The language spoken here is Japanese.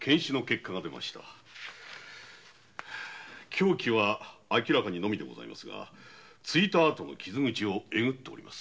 凶器は明らかに「ノミ」ですが突いたあとの傷口をえぐっております。